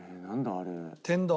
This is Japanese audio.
あれ。